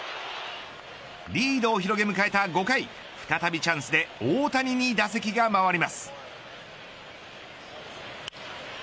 リードを広げ迎えた５回再びチャンスで大谷に打席が回ります。